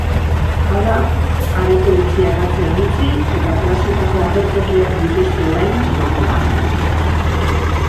Hala, areto itxiak atzean utzi eta plazetako agertokiak dituzte orain jomugan.